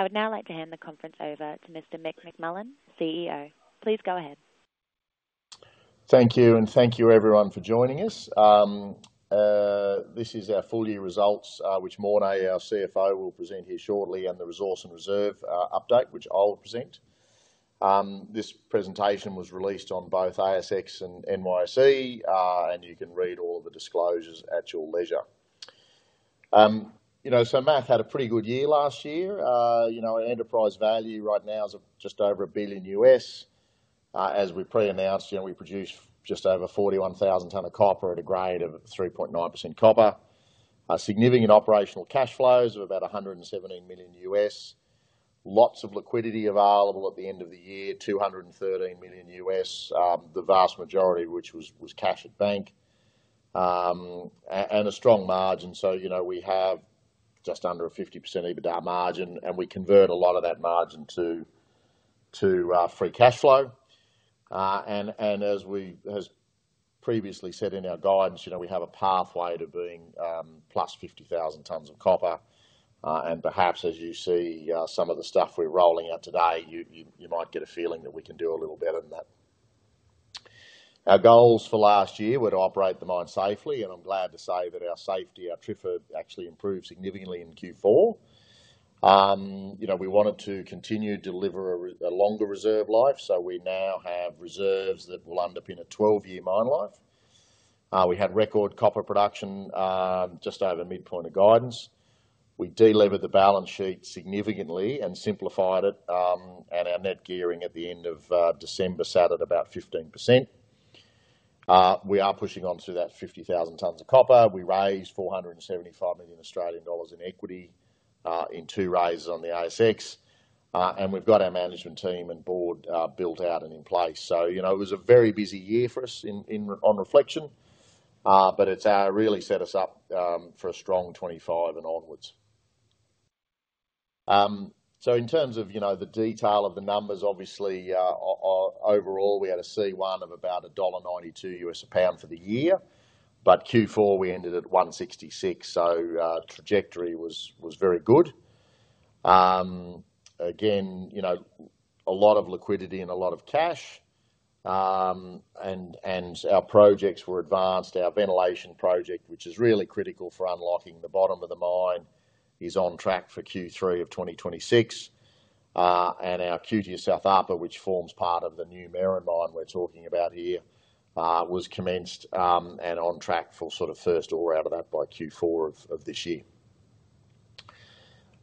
I would now like to hand the conference over to Mr. Mick McMullen, CEO. Please go ahead. Thank you, and thank you everyone for joining us. This is our full-year results, which Morné, our CFO, will present here shortly, and the resource and reserve update, which I'll present. This presentation was released on both ASX and NYSE, and you can read all of the disclosures at your leisure. So MAC had a pretty good year last year. Enterprise value right now is just over $1 billion. As we pre-announced, we produce just over 41,000 tonnes of copper at a grade of 3.9% copper. Significant operational cash flows of about $117 million. Lots of liquidity available at the end of the year, $213 million, the vast majority of which was cash at bank, and a strong margin. So we have just under a 50% EBITDA margin, and we convert a lot of that margin to free cash flow. And as we have previously said in our guidance, we have a pathway to being +50,000 tonnes of copper. And perhaps, as you see some of the stuff we're rolling out today, you might get a feeling that we can do a little better than that. Our goals for last year were to operate the mine safely, and I'm glad to say that our safety, our TRIFR, actually improved significantly in Q4. We wanted to continue to deliver a longer reserve life, so we now have reserves that will underpin a 12-year mine life. We had record copper production just over midpoint of guidance. We delivered the balance sheet significantly and simplified it, and our net gearing at the end of December sat at about 15%. We are pushing on through that 50,000 tonnes of copper. We raised 475 million Australian dollars in equity in two raises on the ASX, and we've got our management team and board built out and in place. So it was a very busy year for us on reflection, but it's really set us up for a strong 2025 and onwards. So in terms of the detail of the numbers, obviously, overall, we had a C1 of about $1.92 U.S. a pound for the year, but Q4 we ended at $1.66, so trajectory was very good. Again, a lot of liquidity and a lot of cash, and our projects were advanced. Our ventilation project, which is really critical for unlocking the bottom of the mine, is on track for Q3 of 2026, and our QTS South Upper, which forms part of the new Main Mine we're talking about here, was commenced and on track for sort of first ore out of that by Q4 of this year.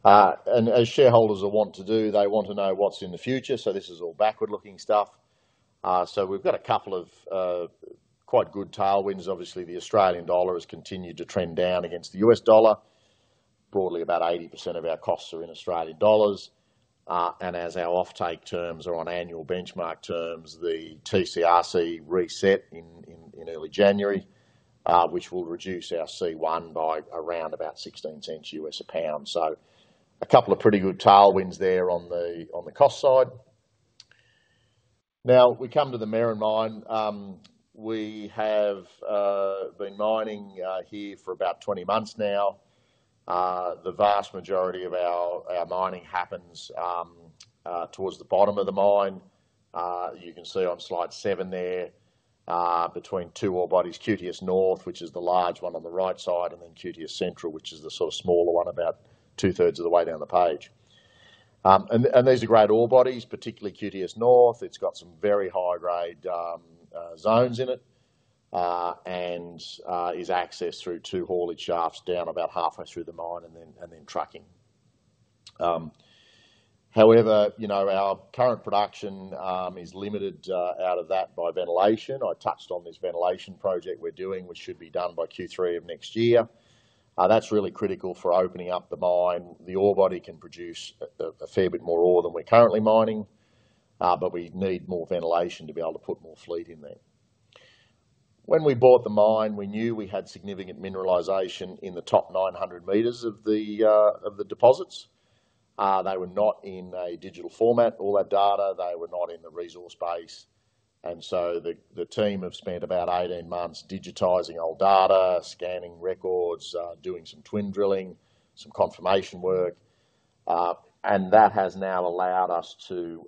And as shareholders will want to do, they want to know what's in the future, so this is all backward-looking stuff. So we've got a couple of quite good tailwinds. Obviously, the Australian dollar has continued to trend down against the U.S. dollar. Broadly, about 80% of our costs are in Australian dollars, and as our offtake terms are on annual benchmark terms, the TC/RC reset in early January, which will reduce our C1 by around about $0.16 a pound. So a couple of pretty good tailwinds there on the cost side. Now, we come to the Main Mine. We have been mining here for about 20 months now. The vast majority of our mining happens towards the bottom of the mine. You can see on slide seven there between two ore bodies, QTS North, which is the large one on the right side, and then QTS Central, which is the sort of smaller one about two-thirds of the way down the page, and these are great ore bodies, particularly QTS North. It's got some very high-grade zones in it and is accessed through two haulage shafts down about halfway through the mine and then trucking. However, our current production is limited out of that by ventilation. I touched on this ventilation project we're doing, which should be done by Q3 of next year. That's really critical for opening up the mine. The ore body can produce a fair bit more ore than we're currently mining, but we need more ventilation to be able to put more fleet in there. When we bought the mine, we knew we had significant mineralization in the top 900 meters of the deposits. They were not in a digital format, all that data. They were not in the resource base. And so the team have spent about 18 months digitizing old data, scanning records, doing some twin drilling, some confirmation work, and that has now allowed us to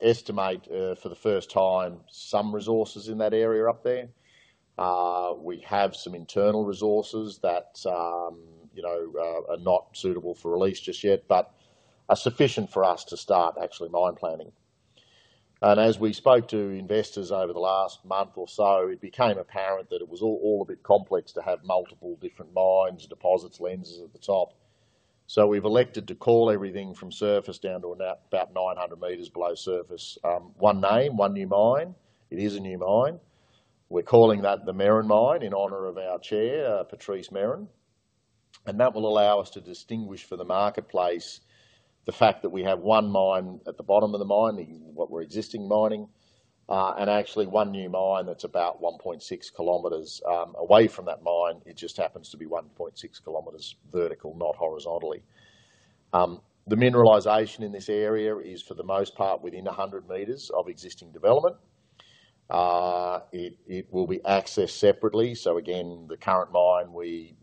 estimate for the first time some resources in that area up there. We have some internal resources that are not suitable for release just yet, but are sufficient for us to start actually mine planning. And as we spoke to investors over the last month or so, it became apparent that it was all a bit complex to have multiple different mines, deposits, lenses at the top. So we've elected to call everything from surface down to about 900 meters below surface one name, one new mine. It is a new mine. We're calling that the Main Mine in honor of our chair, Patrice Merrin, and that will allow us to distinguish for the marketplace the fact that we have one mine at the bottom of the mine, what we're existing mining, and actually one new mine that's about 1.6 kilometers away from that mine. It just happens to be 1.6 kilometers vertical, not horizontally. The mineralization in this area is for the most part within 100 meters of existing development. It will be accessed separately. So again, the current mine, we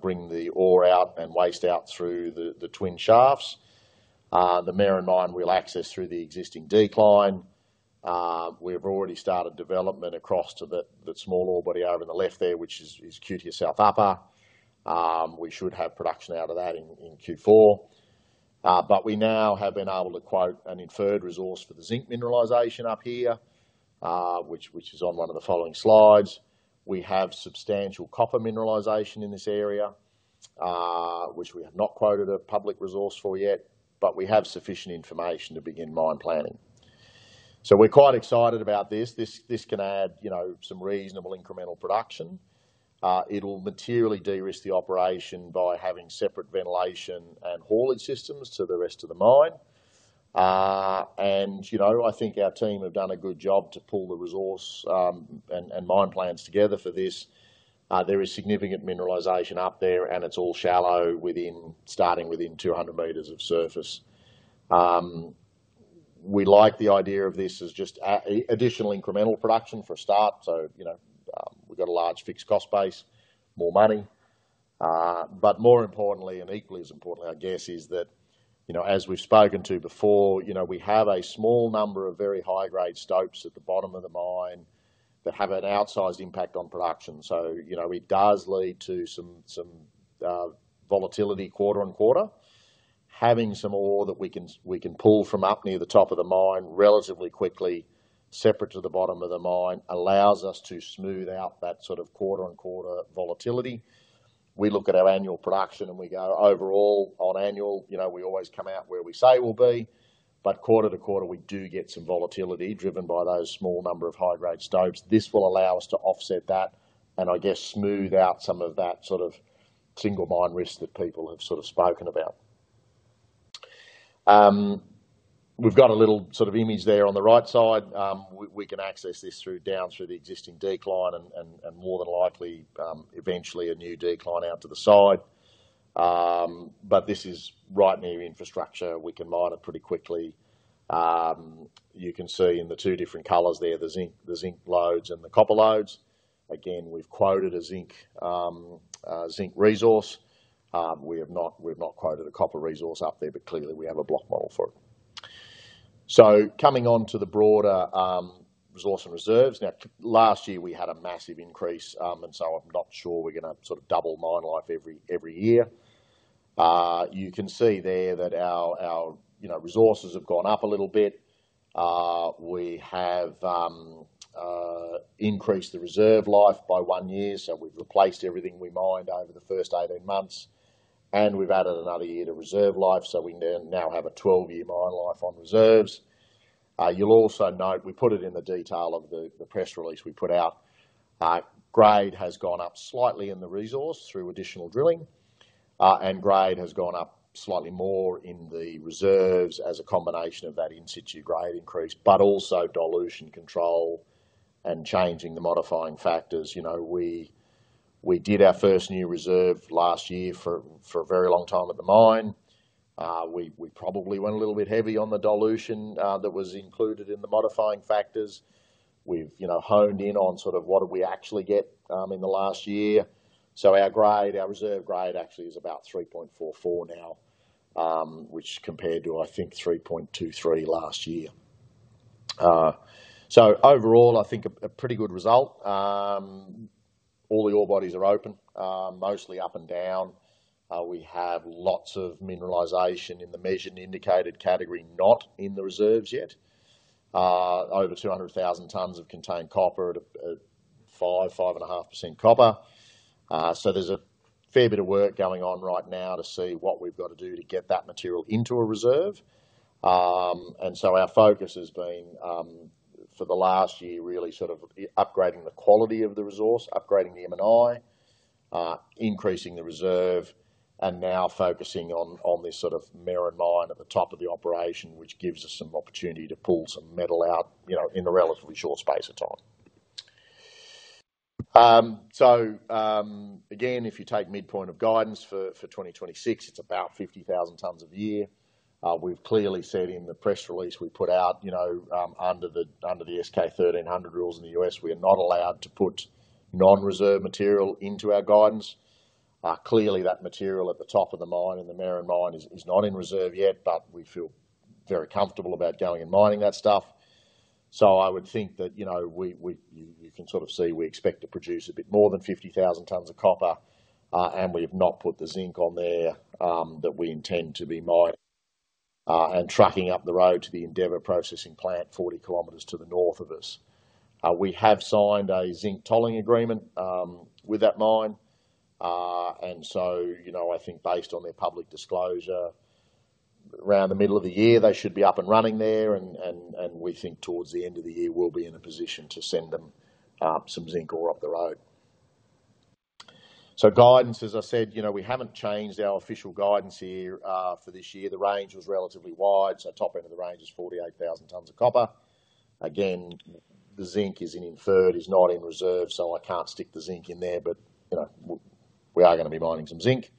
bring the ore out and waste out through the twin shafts. The Main Mine we'll access through the existing decline. We have already started development across to the small ore body over on the left there, which is QTS South Upper. We should have production out of that in Q4, but we now have been able to quote an inferred resource for the zinc mineralization up here, which is on one of the following slides. We have substantial copper mineralization in this area, which we have not quoted a public resource for yet, but we have sufficient information to begin mine planning. So we're quite excited about this. This can add some reasonable incremental production. It'll materially de-risk the operation by having separate ventilation and haulage systems to the rest of the mine. And I think our team have done a good job to pull the resource and mine plans together for this. There is significant mineralization up there, and it's all shallow starting within 200 meters of surface. We like the idea of this as just additional incremental production for a start. So we've got a large fixed cost base, more money, but more importantly, and equally as importantly, I guess, is that as we've spoken to before, we have a small number of very high-grade stopes at the bottom of the mine that have an outsized impact on production. So it does lead to some volatility quarter on quarter. Having some ore that we can pull from up near the top of the mine relatively quickly, separate to the bottom of the mine, allows us to smooth out that sort of quarter on quarter volatility. We look at our annual production and we go, "Overall, on annual, we always come out where we say we'll be," but quarter to quarter, we do get some volatility driven by those small number of high-grade stopes. This will allow us to offset that and, I guess, smooth out some of that sort of single mine risk that people have sort of spoken about. We've got a little sort of image there on the right side. We can access this down through the existing decline and more than likely eventually a new decline out to the side, but this is right near infrastructure. We can mine it pretty quickly. You can see in the two different colors there the zinc lodes and the copper lodes. Again, we've quoted a zinc resource. We have not quoted a copper resource up there, but clearly we have a block model for it. So coming on to the broader resource and reserves. Now, last year we had a massive increase, and so I'm not sure we're going to sort of double mine life every year. You can see there that our resources have gone up a little bit. We have increased the reserve life by one year, so we've replaced everything we mined over the first 18 months, and we've added another year to reserve life, so we now have a 12-year mine life on reserves. You'll also note we put it in the detail of the press release we put out. Grade has gone up slightly in the resource through additional drilling, and grade has gone up slightly more in the reserves as a combination of that in-situ grade increase, but also dilution control and changing the modifying factors. We did our first new reserve last year for a very long time at the mine. We probably went a little bit heavy on the dilution that was included in the modifying factors. We've honed in on sort of what did we actually get in the last year. So our reserve grade actually is about 3.44 now, which compared to, I think, 3.23 last year. So overall, I think a pretty good result. All the ore bodies are open, mostly up and down. We have lots of mineralization in the measured and indicated category, not in the reserves yet. Over 200,000 tonnes of contained copper at 5%-5.5% copper. So there's a fair bit of work going on right now to see what we've got to do to get that material into a reserve. Our focus has been for the last year really sort of upgrading the quality of the resource, upgrading the M&I, increasing the reserve, and now focusing on this sort of Main Mine at the top of the operation, which gives us some opportunity to pull some metal out in a relatively short space of time. Again, if you take midpoint of guidance for 2026, it's about 50,000 tonnes a year. We've clearly said in the press release we put out under the S-K 1300 rules in the U.S., we are not allowed to put non-reserve material into our guidance. Clearly, that material at the top of the mine in the Main Mine is not in reserve yet, but we feel very comfortable about going and mining that stuff. So I would think that you can sort of see we expect to produce a bit more than 50,000 tonnes of copper, and we have not put the zinc on there that we intend to be mining and trucking up the road to the Endeavour processing plant, 40 kilometers to the north of us. We have signed a zinc tolling agreement with that mine, and so I think based on their public disclosure, around the middle of the year they should be up and running there, and we think towards the end of the year we'll be in a position to send them some zinc ore up the road. So guidance, as I said, we haven't changed our official guidance here for this year. The range was relatively wide, so top end of the range is 48,000 tonnes of copper. Again, the zinc is in Inferred, is not in Reserve, so I can't stick the zinc in there, but we are going to be mining some zinc.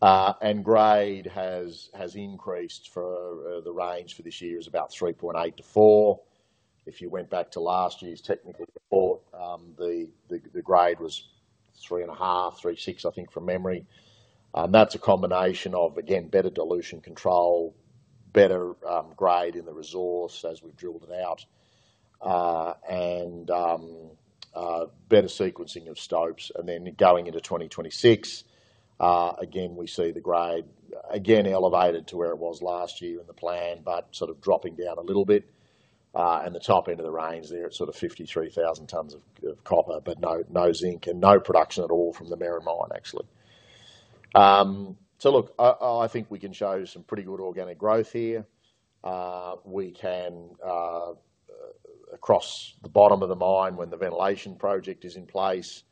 And the grade has increased. The range for this year is about 3.8-4. If you went back to last year's technical report, the grade was 3.5, 3.6, I think from memory. That's a combination of, again, better dilution control, better grade in the resource as we've drilled it out, and better sequencing of stopes. And then going into 2026, again, we see the grade again elevated to where it was last year in the plan, but sort of dropping down a little bit. And the top end of the range there, it's sort of 53,000 tonnes of copper, but no zinc and no production at all from the Main Mine, actually. So look, I think we can show some pretty good organic growth here. We can, across the bottom of the mine when the ventilation project is in place,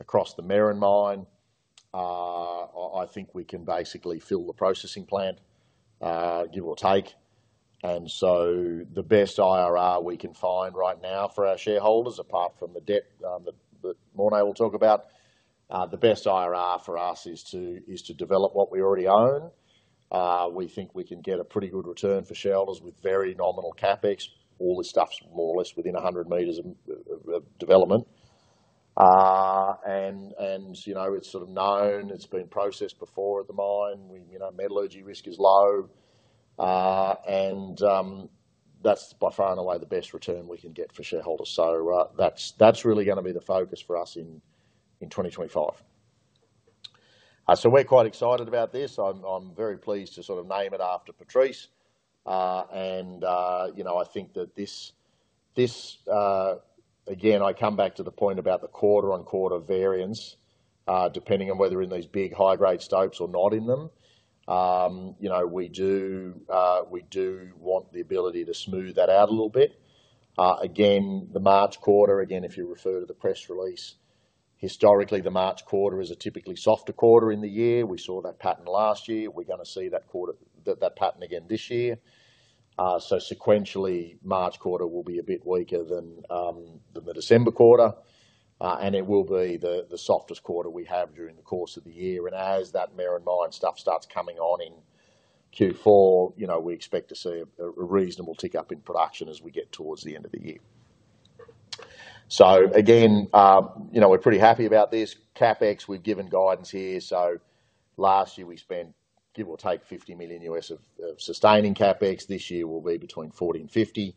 across the Main Mine, I think we can basically fill the processing plant, give or take. And so the best IRR we can find right now for our shareholders, apart from the debt that Morné will talk about, the best IRR for us is to develop what we already own. We think we can get a pretty good return for shareholders with very nominal CapEx. All this stuff's more or less within 100 meters of development, and it's sort of known. It's been processed before at the mine. Metallurgy risk is low, and that's by far and away the best return we can get for shareholders. So that's really going to be the focus for us in 2025. So we're quite excited about this. I'm very pleased to sort of name it after Patrice, and I think that this, again, I come back to the point about the quarter on quarter variance, depending on whether we're in these big high-grade stopes or not in them. We do want the ability to smooth that out a little bit. Again, the March quarter, again, if you refer to the press release, historically the March quarter is a typically softer quarter in the year. We saw that pattern last year. We're going to see that pattern again this year. So sequentially, March quarter will be a bit weaker than the December quarter, and it will be the softest quarter we have during the course of the year. And as that Main Mine stuff starts coming on in Q4, we expect to see a reasonable tick up in production as we get towards the end of the year. So again, we're pretty happy about this. CapEx, we've given guidance here. So last year we spent, give or take, $50 million of sustaining CapEx. This year will be between $40 million and $50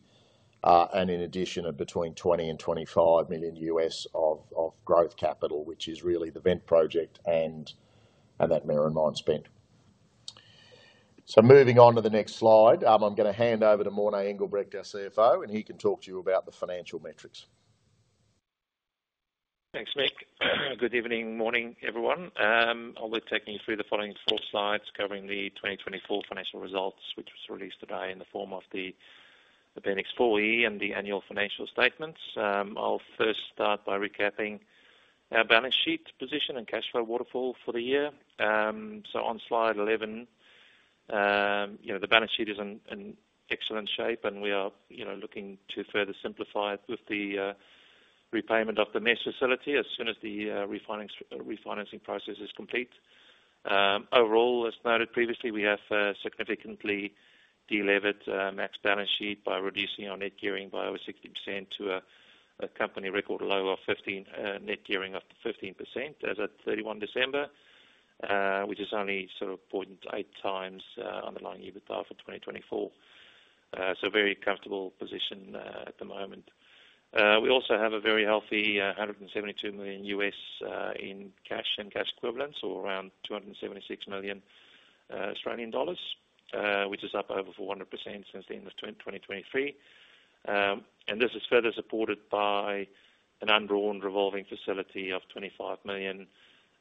million, and in addition, between $20 million and $25 million of growth capital, which is really the vent project and that Main Mine spend. So moving on to the next slide, I'm going to hand over to Morné Engelbrecht, our CFO, and he can talk to you about the financial metrics. Thanks, Mick. Good evening, morning, everyone. I'll be taking you through the following four slides covering the 2024 financial results, which was released today in the form of the Appendix 4E and the annual financial statements. I'll first start by recapping our balance sheet position and cash flow waterfall for the year. So on slide 11, the balance sheet is in excellent shape, and we are looking to further simplify it with the repayment of the mezzanine facility as soon as the refinancing process is complete. Overall, as noted previously, we have significantly delevered MAC's balance sheet by reducing our net gearing by over 60% to a company record low of net gearing of 15% as of 31 December, which is only sort of 0.8x underlying EBITDA for 2024. So very comfortable position at the moment. We also have a very healthy $172 million in cash and cash equivalents, or around 276 million Australian dollars, which is up over 400% since the end of 2023. This is further supported by an undrawn revolving facility of $25 million,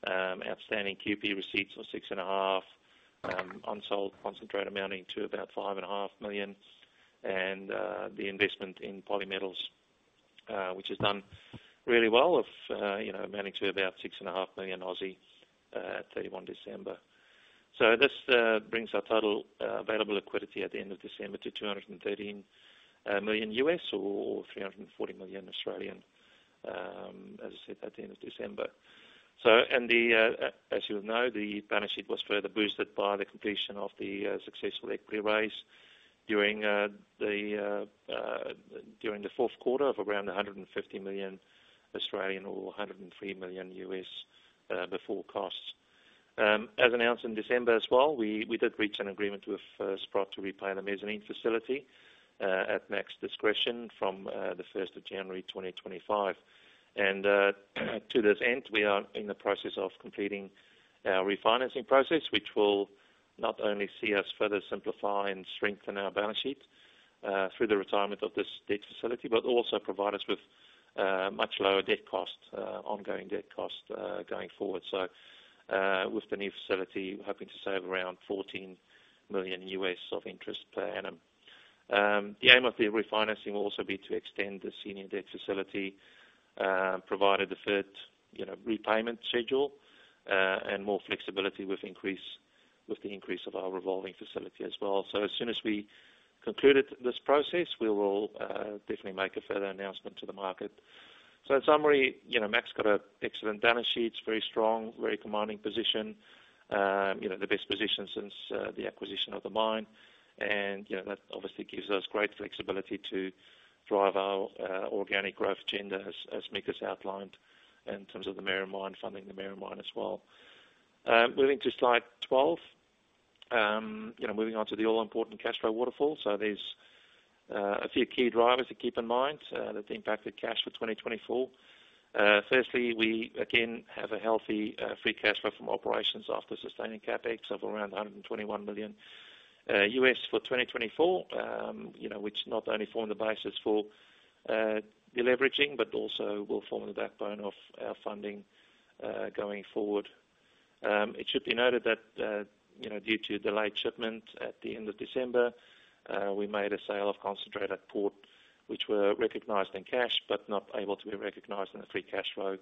outstanding QP receipts of $6.5 million, unsold concentrate amounting to about $5.5 million, and the investment in Polymetals, which has done really well, amounting to about 6.5 million at 31 December. This brings our total available liquidity at the end of December to $213 million or 340 million, as I said, at the end of December. As you will know, the balance sheet was further boosted by the completion of the successful equity raise during the fourth quarter of around 150 million or $103 million before costs. As announced in December as well, we did reach an agreement with Sprott to repay the mezzanine facility at MAC's discretion from the 1st of January 2025. To this end, we are in the process of completing our refinancing process, which will not only see us further simplify and strengthen our balance sheet through the retirement of this debt facility, but also provide us with much lower debt cost, ongoing debt cost going forward. With the new facility, we're hoping to save around $14 million of interest per annum. The aim of the refinancing will also be to extend the senior debt facility provided the third repayment schedule and more flexibility with the increase of our revolving facility as well. As soon as we conclude this process, we will definitely make a further announcement to the market. In summary, MAC's got an excellent balance sheet, very strong, very commanding position, the best position since the acquisition of the mine. And that obviously gives us great flexibility to drive our organic growth agenda as Mick has outlined in terms of the Main Mine funding, the Main Mine as well. Moving to slide 12, moving on to the all-important cash flow waterfall. So there's a few key drivers to keep in mind that impacted cash for 2024. Firstly, we again have a healthy free cash flow from operations after sustaining CapEx of around $121 million for 2024, which not only formed the basis for the leveraging, but also will form the backbone of our funding going forward. It should be noted that due to delayed shipment at the end of December, we made a sale of concentrates at port, which were recognized in cash, but not able to be recognized in the free cash flow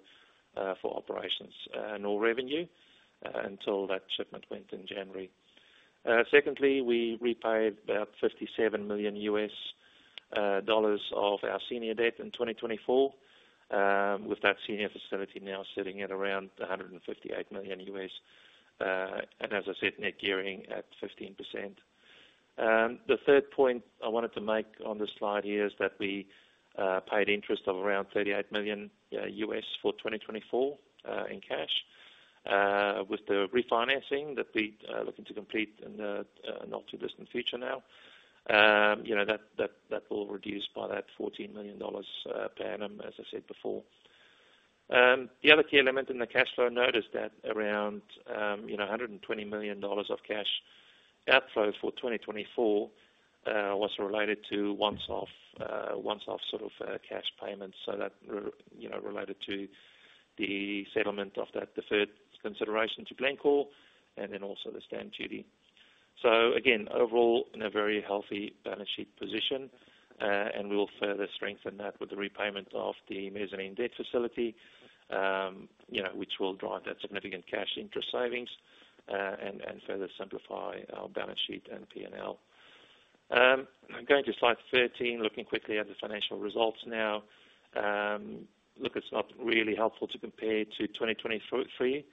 for operations nor revenue until that shipment went in January. Secondly, we repaid about $57 million of our senior debt in 2024, with that senior facility now sitting at around $158 million, and as I said, net gearing at 15%. The third point I wanted to make on this slide here is that we paid interest of around $38 million for 2024 in cash. With the refinancing that we are looking to complete in the not too distant future now, that will reduce by that $14 million per annum, as I said before. The other key element in the cash flow note is that around $120 million of cash outflow for 2024 was related to once-off sort of cash payments, so that related to the settlement of that deferred consideration to Glencore and then also the stamp duty. So again, overall, in a very healthy balance sheet position, and we will further strengthen that with the repayment of the mezzanine debt facility, which will drive that significant cash interest savings and further simplify our balance sheet and P&L. Going to slide 13, looking quickly at the financial results now. Look, it's not really helpful to compare to 2023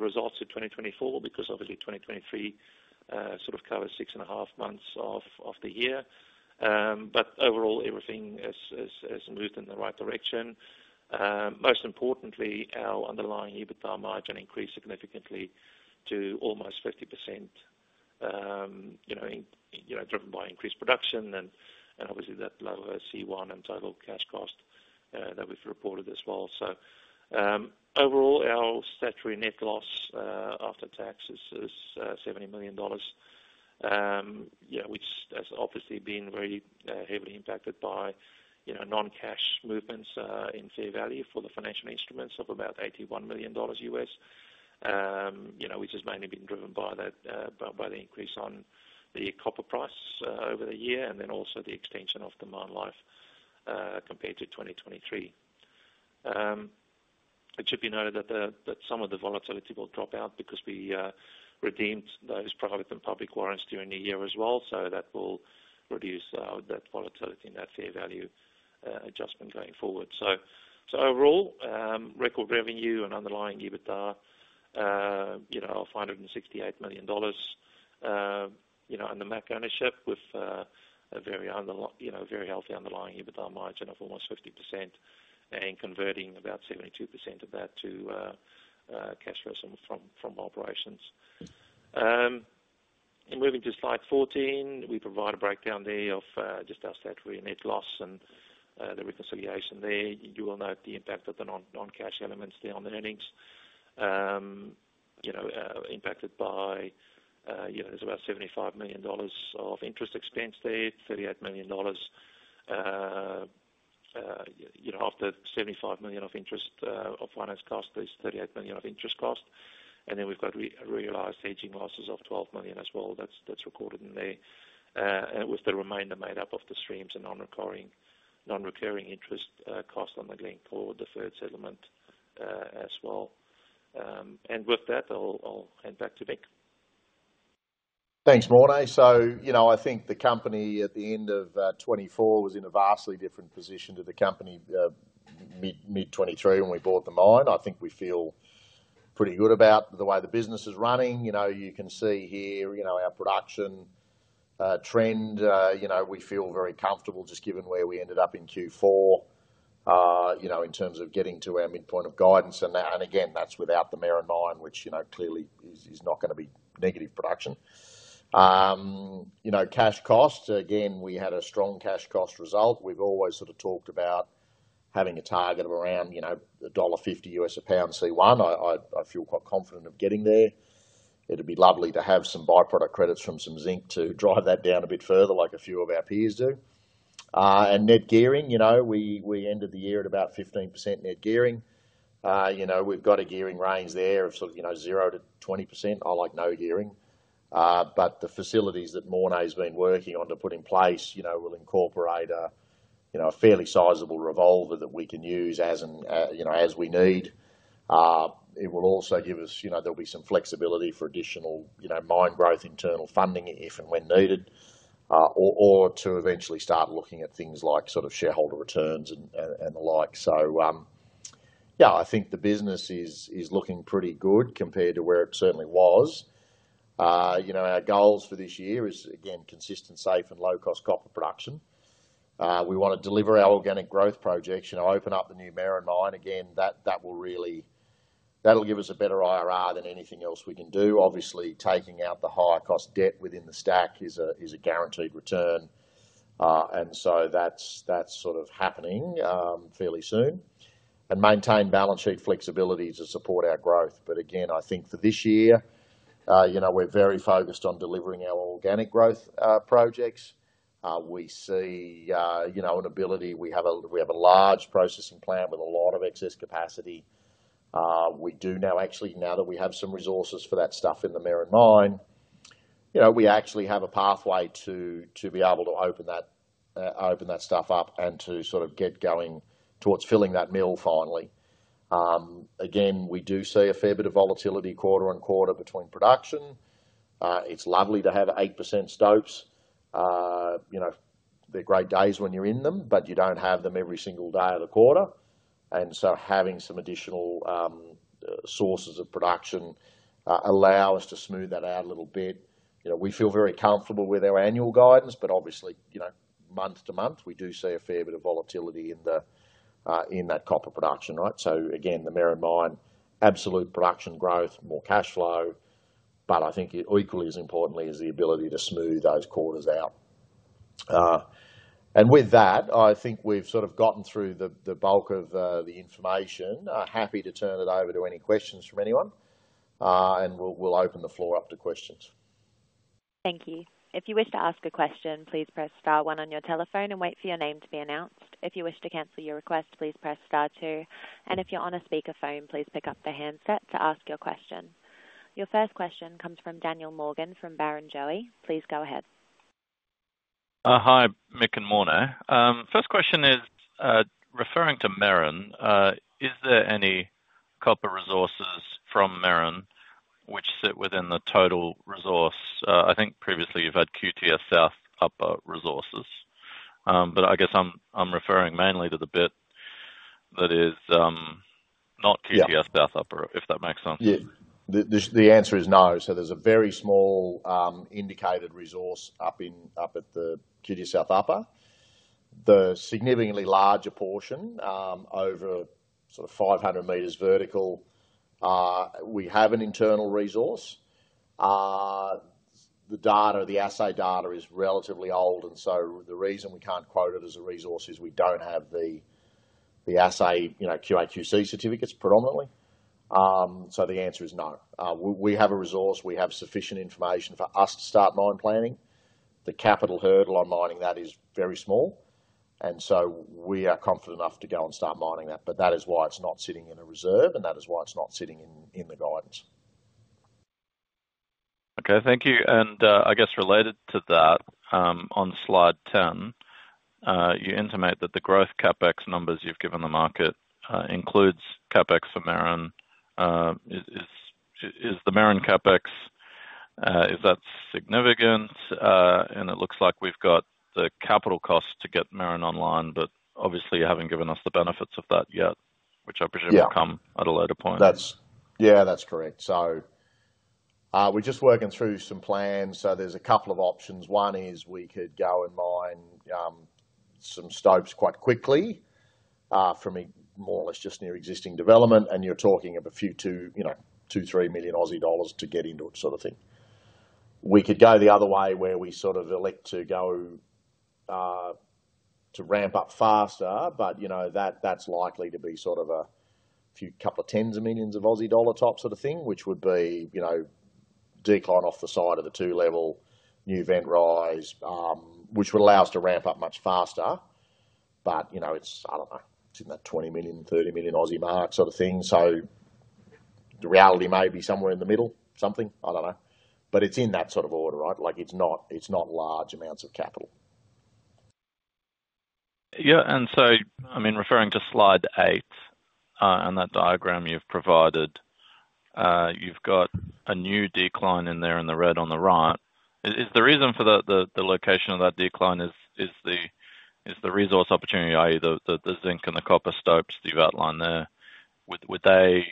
results to 2024 because obviously 2023 sort of covers six and a half months of the year. But overall, everything has moved in the right direction. Most importantly, our underlying EBITDA margin increased significantly to almost 50% driven by increased production, and obviously that lower C1 and total cash cost that we've reported as well. So overall, our statutory net loss after tax is $70 million, which has obviously been very heavily impacted by non-cash movements in fair value for the financial instruments of about $81 million, which has mainly been driven by the increase on the copper price over the year and then also the extension of demand life compared to 2023. It should be noted that some of the volatility will drop out because we redeemed those private and public warrants during the year as well. So that will reduce that volatility and that fair value adjustment going forward. So overall, record revenue and underlying EBITDA of $168 million under MAC ownership with a very healthy underlying EBITDA margin of almost 50% and converting about 72% of that to cash flow from operations. Moving to slide 14, we provide a breakdown there of just our statutory net loss and the reconciliation there. You will note the impact of the non-cash elements there on the earnings impacted by there's about $75 million of interest expense there, $38 million. After $75 million of interest of finance cost, there's $38 million of interest cost. And then we've got realized aging losses of $12 million as well. That's recorded in there, with the remainder made up of the streams and non-recurring interest cost on the Glencore, the third settlement as well. And with that, I'll hand back to Mick. Thanks, Morné. So I think the company at the end of 2024 was in a vastly different position to the company mid-2023 when we bought the mine. I think we feel pretty good about the way the business is running. You can see here our production trend. We feel very comfortable just given where we ended up in Q4 in terms of getting to our midpoint of guidance. And again, that's without the Main Mine, which clearly is not going to be negative production. Cash cost, again, we had a strong cash cost result. We've always sort of talked about having a target of around $1.50 U.S. a pound C1. I feel quite confident of getting there. It'd be lovely to have some byproduct credits from some zinc to drive that down a bit further, like a few of our peers do. And net gearing, we ended the year at about 15% net gearing. We've got a gearing range there of sort of 0%-20%. I like no gearing. But the facilities that Morné has been working on to put in place will incorporate a fairly sizable revolver that we can use as we need. It will also give us there'll be some flexibility for additional mine growth internal funding if and when needed, or to eventually start looking at things like sort of shareholder returns and the like. So yeah, I think the business is looking pretty good compared to where it certainly was. Our goals for this year is, again, consistent, safe, and low-cost copper production. We want to deliver our organic growth projection, open up the new Main Mine. Again, that will give us a better IRR than anything else we can do. Obviously, taking out the higher cost debt within the stack is a guaranteed return, and so that's sort of happening fairly soon and maintain balance sheet flexibility to support our growth. But again, I think for this year, we're very focused on delivering our organic growth projects. We see an ability. We have a large processing plant with a lot of excess capacity. We do now actually, now that we have some resources for that stuff in the Main Mine, we actually have a pathway to be able to open that stuff up and to sort of get going towards filling that mill finally. Again, we do see a fair bit of volatility quarter on quarter between production. It's lovely to have 8% stopes. They're great days when you're in them, but you don't have them every single day of the quarter. And so having some additional sources of production allows us to smooth that out a little bit. We feel very comfortable with our annual guidance, but obviously, month to month, we do see a fair bit of volatility in that copper production, right? So again, the Main Mine, absolute production growth, more cash flow, but I think equally as importantly is the ability to smooth those quarters out. And with that, I think we've sort of gotten through the bulk of the information. Happy to turn it over to any questions from anyone, and we'll open the floor up to questions. Thank you. If you wish to ask a question, please press star one on your telephone and wait for your name to be announced. If you wish to cancel your request, please press star two. And if you're on a speakerphone, please pick up the handset to ask your question. Your first question comes from Daniel Morgan from Barrenjoey. Please go ahead. Hi, Mick and Morné. First question is referring to Merrin. Is there any copper resources from Merrin which sit within the total resource? I think previously you've had QTS South Upper resources, but I guess I'm referring mainly to the bit that is not QTS South Upper, if that makes sense. Yeah. The answer is no. So there's a very small indicated resource up at the QTS South Upper. The significantly larger portion over sort of 500 meters vertical, we have an internal resource. The data, the assay data is relatively old, and so the reason we can't quote it as a resource is we don't have the assay QAQC certificates predominantly. So the answer is no. We have a resource. We have sufficient information for us to start mine planning. The capital hurdle on mining that is very small, and so we are confident enough to go and start mining that. But that is why it's not sitting in a reserve, and that is why it's not sitting in the guidance. Okay. Thank you. And I guess related to that, on slide 10, you intimate that the growth CapEx numbers you've given the market includes CapEx for Merrin. Is the Merrin CapEx, is that significant? And it looks like we've got the capital cost to get Merrin online, but obviously you haven't given us the benefits of that yet, which I presume will come at a later point. Yeah, that's correct. So we're just working through some plans. So there's a couple of options. One is we could go and mine some stopes quite quickly from more or less just near existing development, and you're talking of a few, two, three million AUD to get into it sort of thing. We could go the other way where we sort of elect to go to ramp up faster, but that's likely to be sort of a few, couple of tens of millions of AUD top sort of thing, which would be decline off the side of the two-level new vent rise, which would allow us to ramp up much faster. But it's, I don't know, it's in that 20-30 million AUD mark sort of thing. So the reality may be somewhere in the middle, something. I don't know. But it's in that sort of order, right? It's not large amounts of capital. Yeah. And so I mean, referring to slide eight and that diagram you've provided, you've got a new decline in there in the red on the right. Is the reason for the location of that decline is the resource opportunity, i.e., the zinc and the copper stopes that you've outlined there. Would they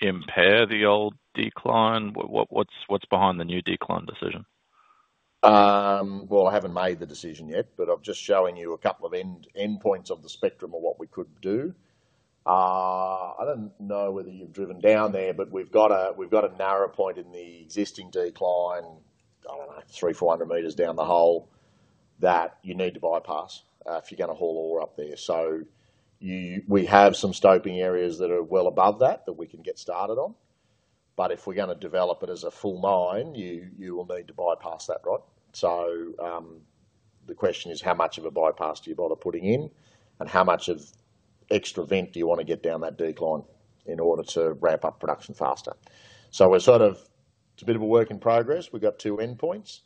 impair the old decline? What's behind the new decline decision? I haven't made the decision yet, but I'm just showing you a couple of endpoints of the spectrum of what we could do. I don't know whether you've driven down there, but we've got a narrow point in the existing decline, I don't know, 300 meters-400 meters down the hole that you need to bypass if you're going to haul ore up there. So we have some stoping areas that are well above that that we can get started on. But if we're going to develop it as a full mine, you will need to bypass that, right? So the question is how much of a bypass do you bother putting in and how much of extra vent do you want to get down that decline in order to ramp up production faster? So it's a bit of a work in progress. We've got two endpoints.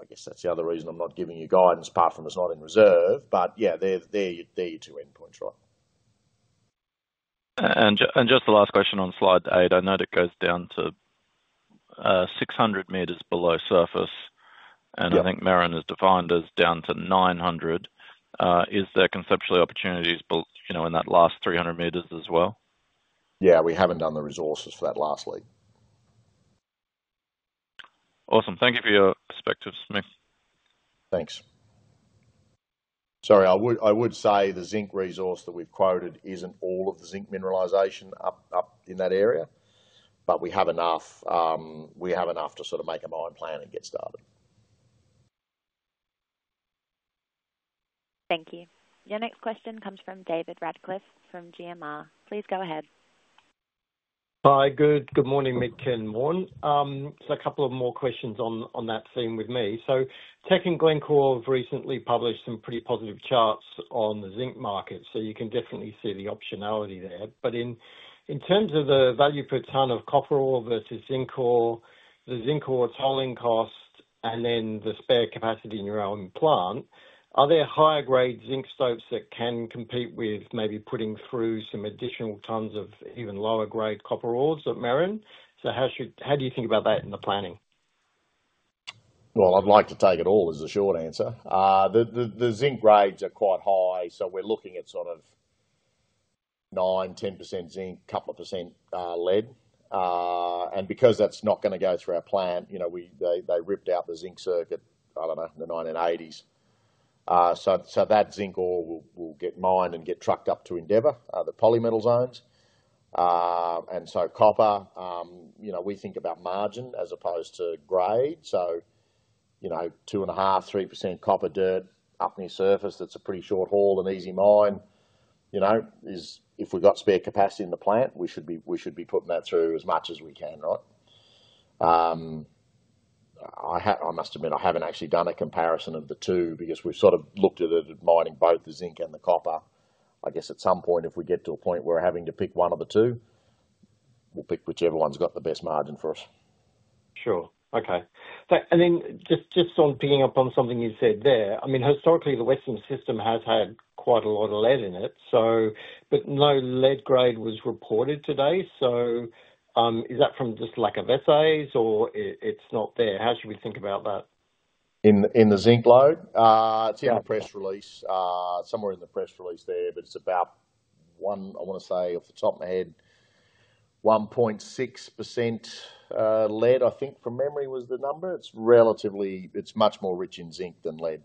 I guess that's the other reason I'm not giving you guidance apart from it's not in reserve. But yeah, there are two endpoints, right? And just the last question on slide eight. I know it goes down to 600 meters below surface, and I think Merrin is defined as down to 900 meters. Is there conceptually opportunities in that last 300 meters as well? Yeah, we haven't done the resources for that lastly. Awesome. Thank you for your perspectives, Mick. Thanks. Sorry, I would say the zinc resource that we've quoted isn't all of the zinc mineralization up in that area, but we have enough to sort of make a mine plan and get started. Thank you. Your next question comes from David Radcliffe from GMR. Please go ahead. Hi, good morning, Mick and Morné. So a couple of more questions on that theme with me. So Teck and Glencore have recently published some pretty positive charts on the zinc market, so you can definitely see the optionality there. But in terms of the value per ton of copper ore versus zinc ore, the zinc ore tolling cost, and then the spare capacity in your own plant, are there higher-grade zinc stopes that can compete with maybe putting through some additional tons of even lower-grade copper ores at Merrin? So how do you think about that in the planning? I'd like to take it all as a short answer. The zinc grades are quite high, so we're looking at sort of 9%-10% zinc, a couple of % lead. And because that's not going to go through our plant, they ripped out the zinc circuit, I don't know, in the 1980s. So that zinc ore will get mined and get trucked up to Endeavour, the Polymetals zones. And so copper, we think about margin as opposed to grade. So 2.5%-3% copper dirt up near surface, that's a pretty short haul and easy mine. If we've got spare capacity in the plant, we should be putting that through as much as we can, right? I must admit, I haven't actually done a comparison of the two because we've sort of looked at it at mining both the zinc and the copper. I guess at some point, if we get to a point where we're having to pick one of the two, we'll pick whichever one's got the best margin for us. Sure. Okay, and then just on picking up on something you said there, I mean, historically, the Western system has had quite a lot of lead in it, but no lead grade was reported today. So is that from just lack of assays or it's not there? How should we think about that? In the zinc lode? It's in the press release, somewhere in the press release there, but it's about, I want to say, off the top of my head, 1.6% lead, I think from memory was the number. It's much more rich in zinc than lead.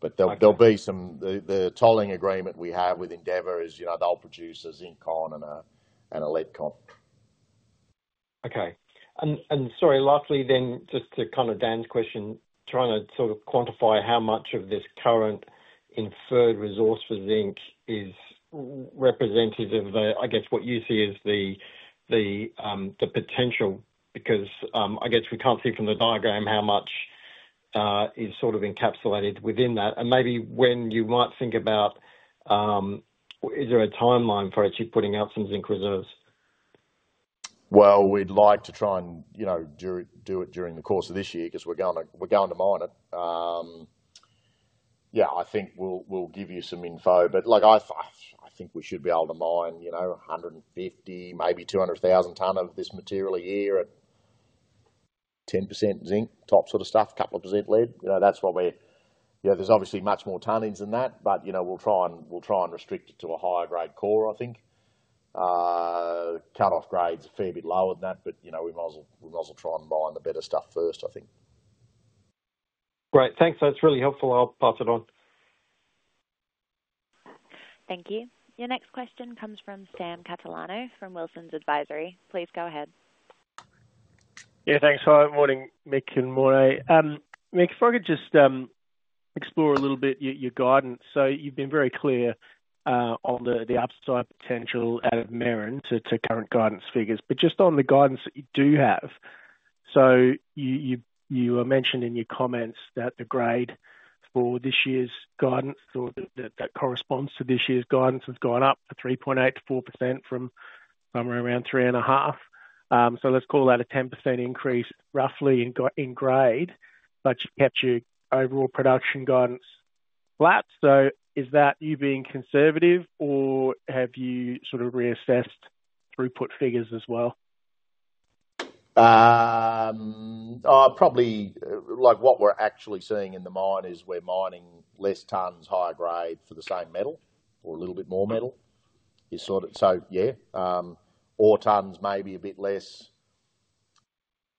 But there'll be some. The tolling agreement we have with Endeavour is they'll produce a zinc concentrate and a lead concentrate. Okay. And sorry, lastly then, just to kind of Dan's question, trying to sort of quantify how much of this current inferred resource for zinc is representative of, I guess, what you see as the potential because I guess we can't see from the diagram how much is sort of encapsulated within that. And maybe when you might think about, is there a timeline for actually putting out some zinc reserves? We'd like to try and do it during the course of this year because we're going to mine it. Yeah, I think we'll give you some info. But I think we should be able to mine 150, maybe 200,000 tonne of this material a year at 10% zinc top sort of stuff, a couple of % lead. That's what we're, yeah, there's obviously much more tonnage than that, but we'll try and restrict it to a higher-grade core, I think. Cutoff grades are a fair bit lower than that, but we might as well try and mine the better stuff first, I think. Great. Thanks. That's really helpful. I'll pass it on. Thank you. Your next question comes from Sam Catalano from Wilsons Advisory. Please go ahead. Yeah, thanks. Hi, morning, Mick and Morné. Mick, if I could just explore a little bit your guidance. So you've been very clear on the upside potential out of Merrin to current guidance figures. But just on the guidance that you do have, so you mentioned in your comments that the grade for this year's guidance that corresponds to this year's guidance has gone up to 3.84% from somewhere around three and a half. So let's call that a 10% increase roughly in grade, but you kept your overall production guidance flat. So is that you being conservative, or have you sort of reassessed throughput figures as well? Probably what we're actually seeing in the mine is we're mining less tonnes, higher grade for the same metal or a little bit more metal. So yeah, ore tonnes maybe a bit less,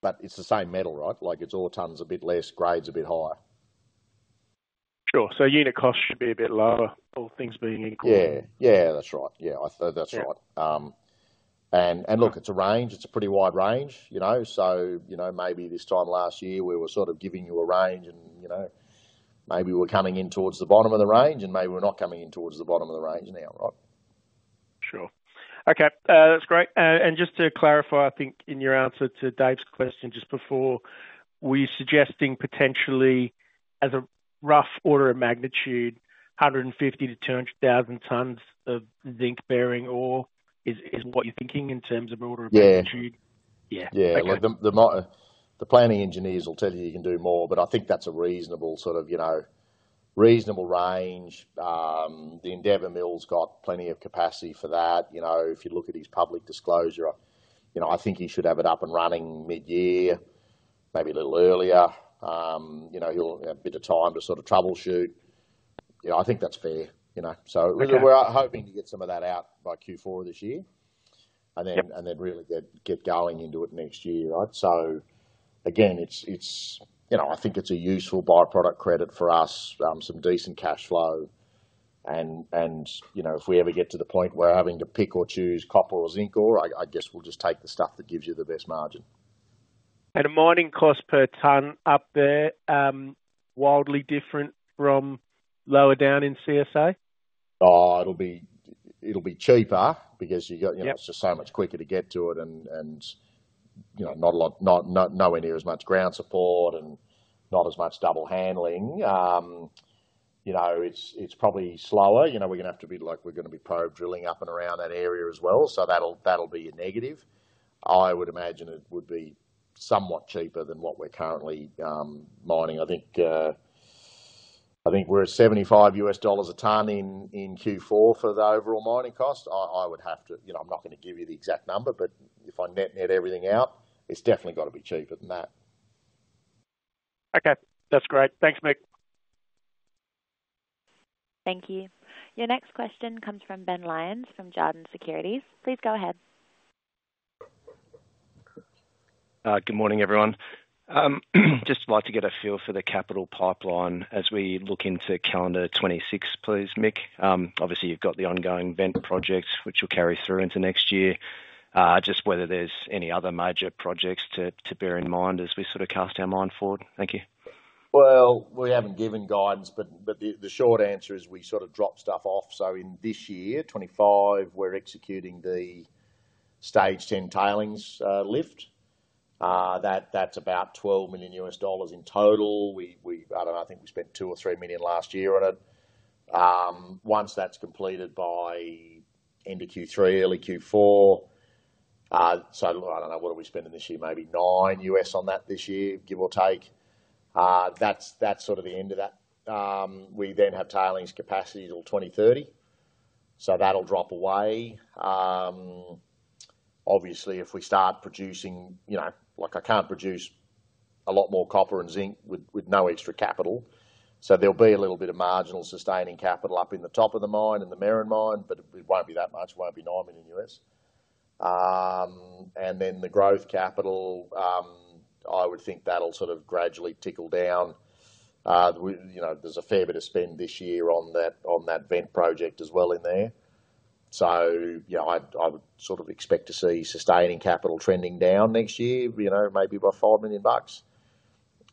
but it's the same metal, right? It's ore tonnes a bit less, grade's a bit higher. Sure. So unit costs should be a bit lower, all things being equal. Yeah. Yeah, that's right. Yeah, that's right. And look, it's a range. It's a pretty wide range. So maybe this time last year, we were sort of giving you a range, and maybe we're coming in towards the bottom of the range, and maybe we're not coming in towards the bottom of the range now, right? Sure. Okay. That's great. And just to clarify, I think in your answer to Dave's question just before, were you suggesting potentially as a rough order of magnitude, 150-200,000 tons of zinc bearing ore is what you're thinking in terms of order of magnitude? Yeah. Yeah. The planning engineers will tell you you can do more, but I think that's a reasonable sort of range. The Endeavour mill's got plenty of capacity for that. If you look at his public disclosure, I think he should have it up and running mid-year, maybe a little earlier. He'll have a bit of time to sort of troubleshoot. I think that's fair. So really, we're hoping to get some of that out by Q4 of this year and then really get going into it next year, right? So again, I think it's a useful byproduct credit for us, some decent cash flow. And if we ever get to the point where we're having to pick or choose copper or zinc ore, I guess we'll just take the stuff that gives you the best margin. A mining cost per tonne up there, wildly different from lower down in CSA? It'll be cheaper because it's just so much quicker to get to it and no one here has much ground support and not as much double handling. It's probably slower. We're going to have to be like we're going to be probe drilling up and around that area as well. So that'll be a negative. I would imagine it would be somewhat cheaper than what we're currently mining. I think we're at $75 a tonne in Q4 for the overall mining cost. I would have to. I'm not going to give you the exact number, but if I net-net everything out, it's definitely got to be cheaper than that. Okay. That's great. Thanks, Mick. Thank you. Your next question comes from Ben Lyons from Jarden Securities. Please go ahead. Good morning, everyone. Just like to get a feel for the capital pipeline as we look into calendar 26, please, Mick. Obviously, you've got the ongoing vent rise projects, which will carry through into next year. Just whether there's any other major projects to bear in mind as we sort of cast our mind forward? Thank you. Well, we haven't given guidance, but the short answer is we sort of drop stuff off. So in this year, 2025, we're executing the Stage 10 tailings lift. That's about $12 million in total. I don't know. I think we spent $2 million or $3 million last year on it. Once that's completed by end of Q3, early Q4. So I don't know. What are we spending this year? Maybe $9 million on that this year, give or take. That's sort of the end of that. We then have tailings capacity till 2030. So that'll drop away. Obviously, if we start producing like I can't produce a lot more copper and zinc with no extra capital. So there'll be a little bit of marginal sustaining capital up in the top of the mine and the Main Mine, but it won't be that much. It won't be $9 million. And then the growth capital, I would think that'll sort of gradually trickle down. There's a fair bit of spend this year on that vent rise as well in there. So I would sort of expect to see sustaining capital trending down next year, maybe by $5 million,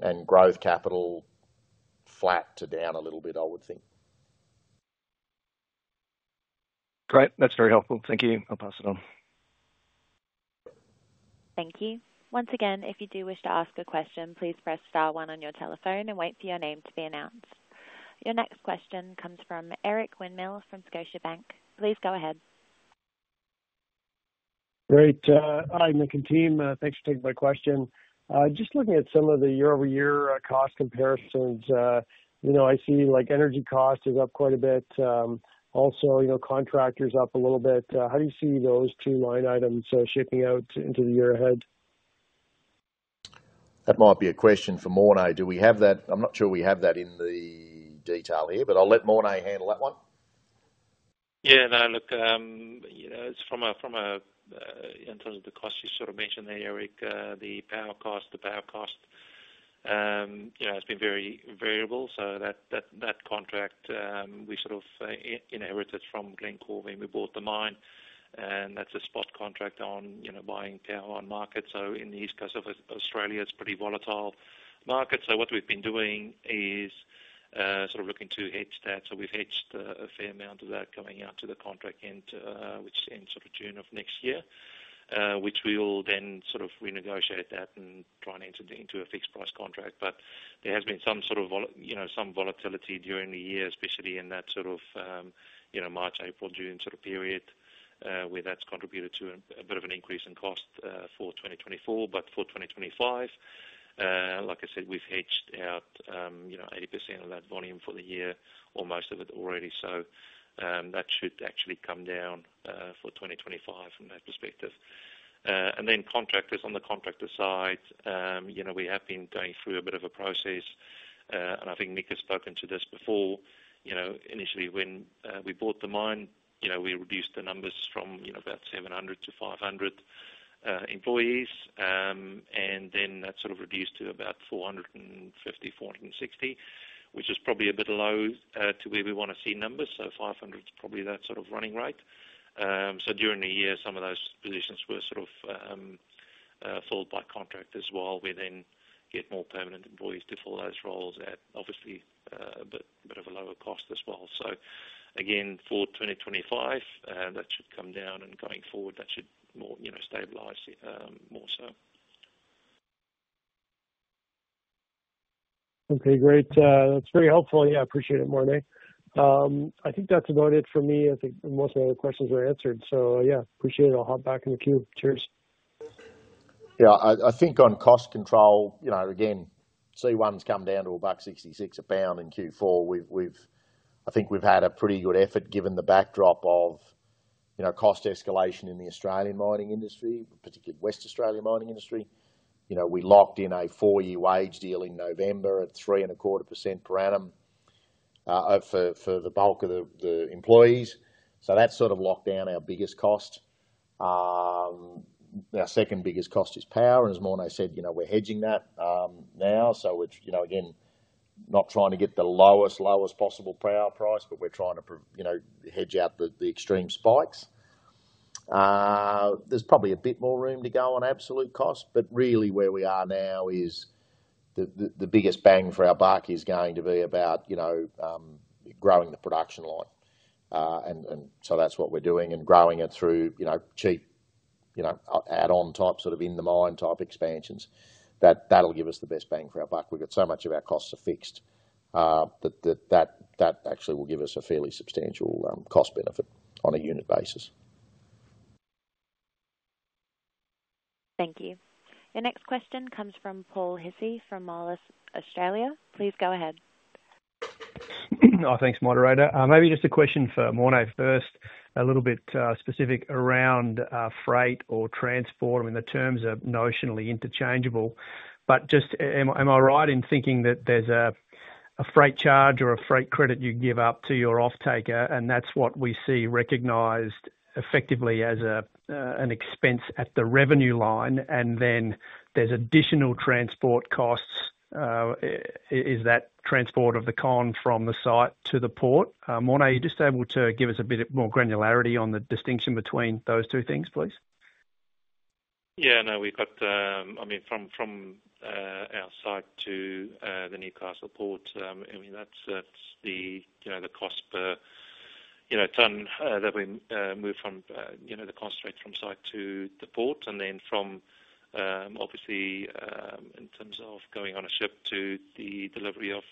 and growth capital flat to down a little bit, I would think. Great. That's very helpful. Thank you. I'll pass it on. Thank you. Once again, if you do wish to ask a question, please press star one on your telephone and wait for your name to be announced. Your next question comes from Eric Winmill from Scotiabank. Please go ahead. Great. Hi, Mick and team. Thanks for taking my question. Just looking at some of the year-over-year cost comparisons, I see energy cost is up quite a bit. Also, contractors up a little bit. How do you see those two line items shaping out into the year ahead? That might be a question for Morné. Do we have that? I'm not sure we have that in the detail here, but I'll let Morné handle that one. Yeah. No, look, it's from, in terms of the cost you sort of mentioned there, Eric, the power cost, the power cost. It's been very variable. So that contract, we sort of inherited from Glencore when we bought the mine. And that's a spot contract on buying power on market. So in the east coast of Australia, it's a pretty volatile market. So what we've been doing is sort of looking to hedge that. So we've hedged a fair amount of that coming out to the contract end, which ends sort of June of next year, which we will then sort of renegotiate that and try and enter into a fixed price contract. But there has been some sort of some volatility during the year, especially in that sort of March, April, June sort of period, where that's contributed to a bit of an increase in cost for 2024. But for 2025, like I said, we've hedged out 80% of that volume for the year, or most of it already. So that should actually come down for 2025 from that perspective. And then contractors on the contractor side, we have been going through a bit of a process. And I think Mick has spoken to this before. Initially, when we bought the mine, we reduced the numbers from about 700 to 500 employees. And then that sort of reduced to about 450-460, which is probably a bit low to where we want to see numbers. So 500 is probably that sort of running rate. So during the year, some of those positions were sort of filled by contractors while we then get more permanent employees to fill those roles at obviously a bit of a lower cost as well. So again, for 2025, that should come down. Going forward, that should stabilize more so. Okay. Great. That's very helpful. Yeah, I appreciate it, Morné. I think that's about it for me. I think most of my other questions were answered. So yeah, appreciate it. I'll hop back in the queue. Cheers. Yeah. I think on cost control, again, C1's come down to about $66 a pound in Q4. I think we've had a pretty good effort given the backdrop of cost escalation in the Australian mining industry, particularly West Australian mining industry. We locked in a four-year wage deal in November at 3.25% per annum for the bulk of the employees. So that's sort of locked down our biggest cost. Our second biggest cost is power. And as Morné said, we're hedging that now. So we're, again, not trying to get the lowest, lowest possible power price, but we're trying to hedge out the extreme spikes. There's probably a bit more room to go on absolute cost, but really where we are now is the biggest bang for our buck is going to be about growing the production line. And so that's what we're doing and growing it through cheap add-on type sort of in-the-mine type expansions. That'll give us the best bang for our buck. We've got so much of our costs are fixed that that actually will give us a fairly substantial cost benefit on a unit basis. Thank you. Your next question comes from Paul Hissey from Moelis Australia. Please go ahead. Hi, thanks, moderator. Maybe just a question for Morné first, a little bit specific around freight or transport. I mean, the terms are notionally interchangeable. But just am I right in thinking that there's a freight charge or a freight credit you give up to your off-taker, and that's what we see recognized effectively as an expense at the revenue line, and then there's additional transport costs? Is that transport of the con from the site to the port? Morné, are you just able to give us a bit more granularity on the distinction between those two things, please? Yeah. No, we've got. I mean, from our site to the Newcastle port, I mean, that's the cost per tonne that we move from the cost straight from site to the port. And then from, obviously, in terms of going on a ship to the delivery of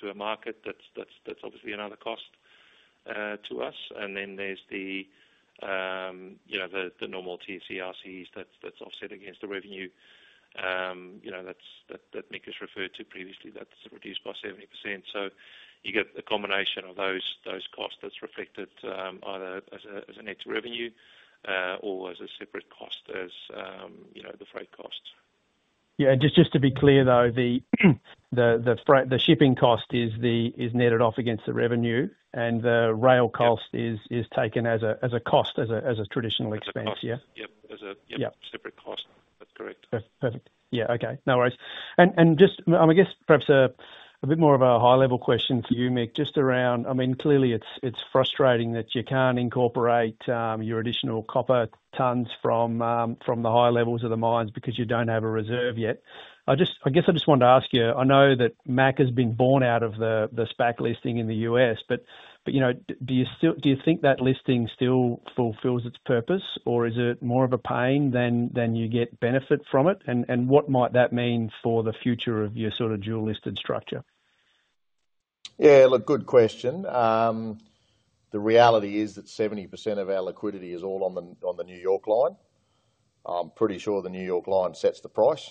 to a market, that's obviously another cost to us. And then there's the normal TC/RCs that's offset against the revenue that Mick has referred to previously that's reduced by 70%. So you get a combination of those costs that's reflected either as a net revenue or as a separate cost as the freight cost. Yeah. Just to be clear, though, the shipping cost is netted off against the revenue, and the rail cost is taken as a cost, as a traditional expense, yeah? Yep. Yep. As a separate cost. That's correct. Perfect. Yeah. Okay. No worries. And just, I guess, perhaps a bit more of a high-level question for you, Mick, just around I mean, clearly, it's frustrating that you can't incorporate your additional copper tons from the high levels of the mines because you don't have a reserve yet. I guess I just wanted to ask you, I know that MAC has been born out of the SPAC listing in the U.S., but do you think that listing still fulfills its purpose, or is it more of a pain than you get benefit from it? And what might that mean for the future of your sort of dual-listed structure? Yeah. Look, good question. The reality is that 70% of our liquidity is all on the New York line. I'm pretty sure the New York line sets the price.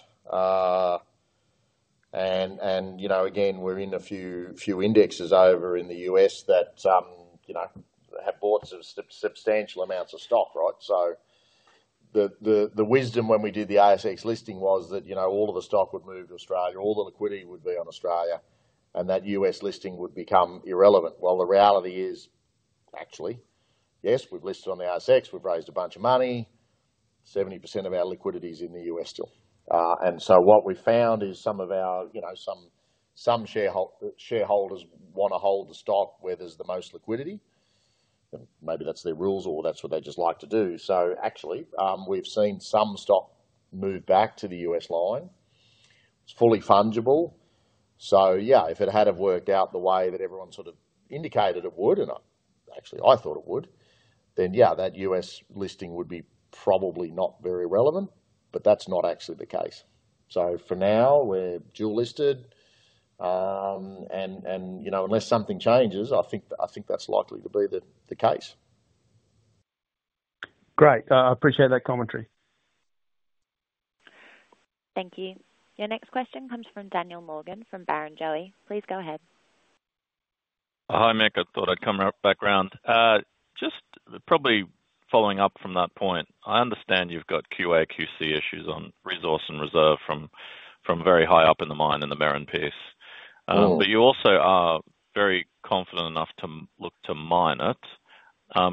And again, we're in a few indexes over in the U.S. that have bought substantial amounts of stock, right? So the wisdom when we did the ASX listing was that all of the stock would move to Australia, all the liquidity would be on Australia, and that U.S. listing would become irrelevant. Well, the reality is, actually, yes, we've listed on the ASX, we've raised a bunch of money. 70% of our liquidity is in the U.S. still. And so what we found is some of our shareholders want to hold the stock where there's the most liquidity. Maybe that's their rules or that's what they just like to do. Actually, we've seen some stock move back to the U.S. side. It's fully fungible. Yeah, if it had have worked out the way that everyone sort of indicated it would, and actually, I thought it would, then yeah, that U.S. listing would be probably not very relevant, but that's not actually the case. For now, we're dual-listed. Unless something changes, I think that's likely to be the case. Great. I appreciate that commentary. Thank you. Your next question comes from Daniel Morgan from Barrenjoey. Please go ahead. Hi, Mick. I thought I'd come back around. Just probably following up from that point, I understand you've got QA/QC issues on resource and reserve from very high up in the mine in the Merrin piece. But you also are very confident enough to look to mine it.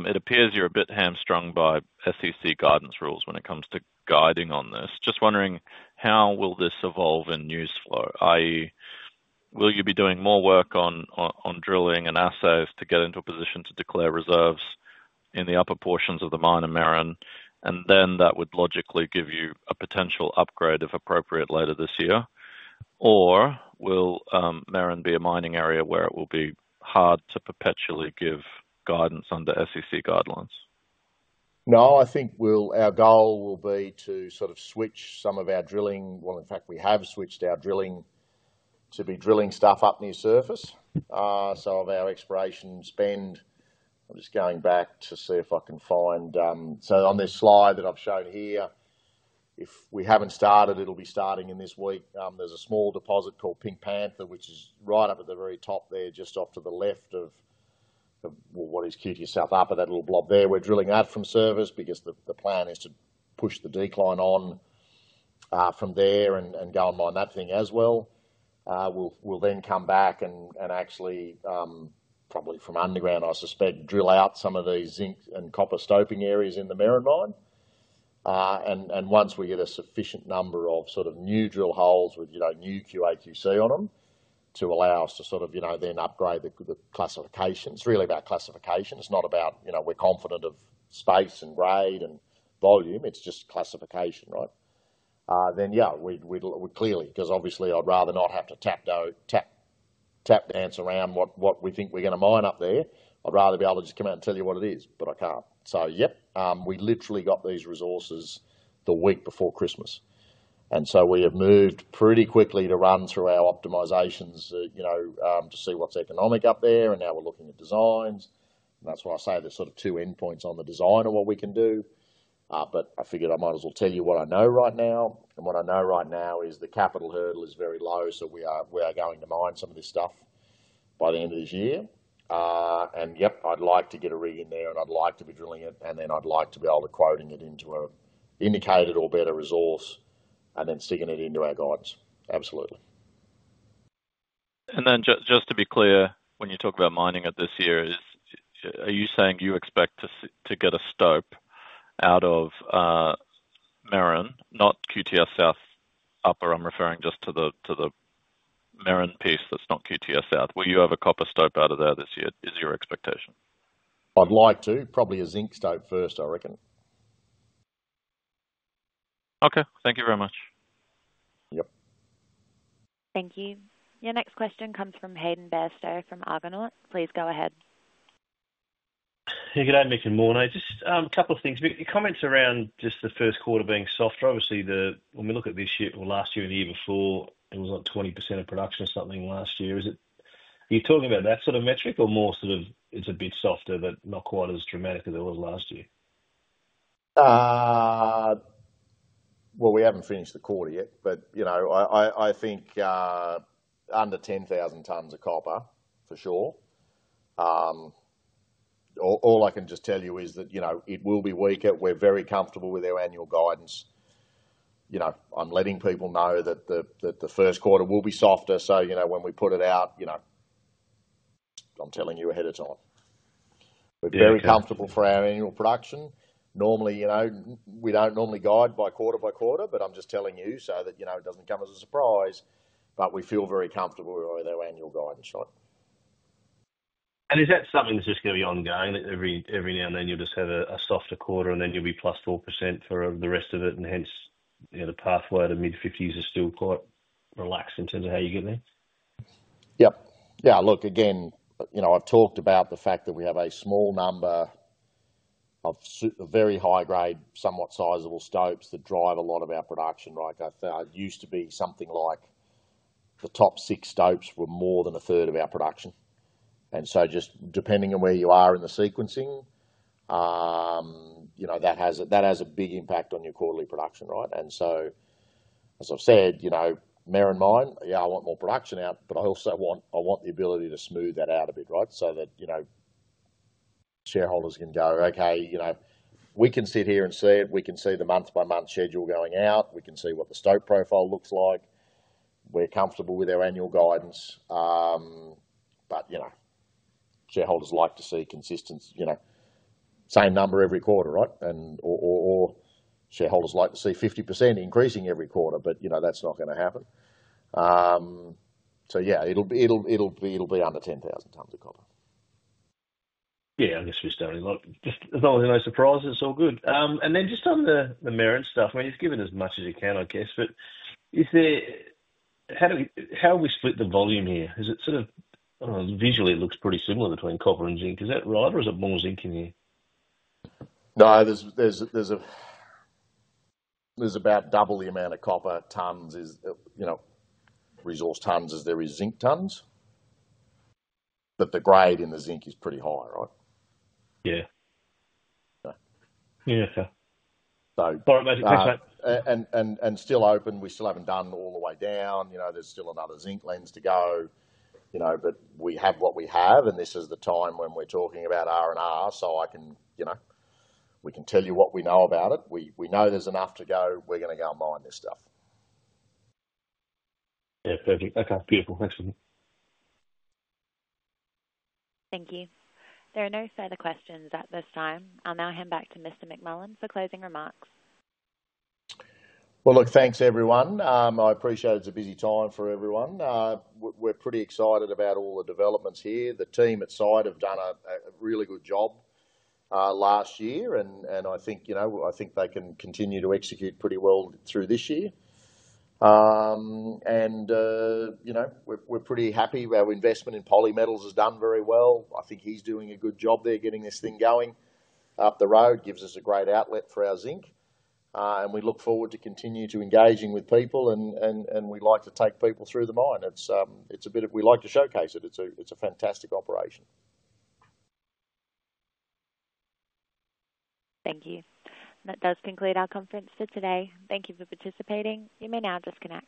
It appears you're a bit hamstrung by SEC guidance rules when it comes to guiding on this. Just wondering, how will this evolve in news flow? i.e., will you be doing more work on drilling and assays to get into a position to declare reserves in the upper portions of the mine in Merrin, and then that would logically give you a potential upgrade if appropriate later this year? Or will Merrin be a mining area where it will be hard to perpetually give guidance under SEC guidelines? No, I think our goal will be to sort of switch some of our drilling. Well, in fact, we have switched our drilling to be drilling stuff up near surface. So of our exploration spend, I'm just going back to see if I can find so on this slide that I've shown here, if we haven't started, it'll be starting in this week. There's a small deposit called Pink Panther, which is right up at the very top there, just off to the left of what is QTS South, up at that little blob there. We're drilling that from surface because the plan is to push the decline on from there and go and mine that thing as well. We'll then come back and actually, probably from underground, I suspect, drill out some of these zinc and copper stoping areas in the Main Mine. Once we get a sufficient number of sort of new drill holes with new QA/QC on them to allow us to sort of then upgrade the classification. It's really about classification. It's not about we're confident of space and grade and volume. It's just classification, right? Then yeah, we'd clearly, because obviously, I'd rather not have to tap dance around what we think we're going to mine up there. I'd rather be able to just come out and tell you what it is, but I can't. So yep, we literally got these resources the week before Christmas. So we have moved pretty quickly to run through our optimizations to see what's economic up there. Now we're looking at designs. That's why I say there's sort of two endpoints on the design of what we can do. But I figured I might as well tell you what I know right now. And what I know right now is the capital hurdle is very low, so we are going to mine some of this stuff by the end of this year. And yep, I'd like to get a rig in there, and I'd like to be drilling it, and then I'd like to be able to quote it into an indicated or better resource and then sticking it into our guides. Absolutely. And then just to be clear, when you talk about mining it this year, are you saying you expect to get a stope out of Merrin, not QTS South Upper? I'm referring just to the Merrin piece that's not QTS South. Will you have a copper stope out of there this year? Is your expectation? I'd like to. Probably a zinc stope first, I reckon. Okay. Thank you very much. Yep. Thank you. Your next question comes from Hayden Bairstow from Argonaut. Please go ahead. Good evening, Mick and Morné. Just a couple of things. Your comments around just the first quarter being softer, obviously, when we look at this year or last year and the year before, it was like 20% of production or something last year. Are you talking about that sort of metric or more sort of it's a bit softer, but not quite as dramatic as it was last year? We haven't finished the quarter yet, but I think under 10,000 tons of copper, for sure. All I can just tell you is that it will be weaker. We're very comfortable with our annual guidance. I'm letting people know that the first quarter will be softer. So when we put it out, I'm telling you ahead of time. We're very comfortable for our annual production. Normally, we don't guide quarter by quarter, but I'm just telling you so that it doesn't come as a surprise. But we feel very comfortable with our annual guidance, right? Is that something that's just going to be ongoing, that every now and then you'll just have a softer quarter, and then you'll be +4% for the rest of it, and hence the pathway to mid-50s is still quite relaxed in terms of how you get there? Yep. Yeah. Look, again, I've talked about the fact that we have a small number of very high-grade, somewhat sizable stopes that drive a lot of our production, right? It used to be something like the top six stopes were more than a third of our production. And so just depending on where you are in the sequencing, that has a big impact on your quarterly production, right? And so as I've said, Main Mine, yeah, I want more production out, but I also want the ability to smooth that out a bit, right, so that shareholders can go, "Okay. We can sit here and see it. We can see the month-by-month schedule going out. We can see what the stope profile looks like. We're comfortable with our annual guidance." But shareholders like to see consistent, same number every quarter, right? Or shareholders like to see 50% increasing every quarter, but that's not going to happen. So yeah, it'll be under 10,000 tons of copper. Yeah. I guess we're starting to look. As long as there's no surprises, it's all good. And then just on the Merrin stuff, I mean, you've given as much as you can, I guess, but how have we split the volume here? Is it sort of, I don't know. Visually, it looks pretty similar between copper and zinc. Is that right, or is it more zinc in here? No. There's about double the amount of copper tons, resource tons, as there is zinc tons. But the grade in the zinc is pretty high, right? Yeah. Yeah. So. So.And still open. We still haven't done all the way down. There's still another zinc lens to go. But we have what we have, and this is the time when we're talking about R&R, so we can tell you what we know about it. We know there's enough to go. We're going to go and mine this stuff. Yeah. Perfect. Okay. Beautiful. Thanks. Thank you. There are no further questions at this time. I'll now hand back to Mr. McMullen for closing remarks. Well, look, thanks, everyone. I appreciate it's a busy time for everyone. We're pretty excited about all the developments here. The team at the site have done a really good job last year, and I think they can continue to execute pretty well through this year, and we're pretty happy. Our investment in Polymetals has done very well. I think he's doing a good job there getting this thing going up the road. It gives us a great outlet for our zinc. And we look forward to continuing to engage with people, and we like to take people through the mine. It's a bit of we like to showcase it. It's a fantastic operation. Thank you. That does conclude our conference for today. Thank you for participating. You may now just connect.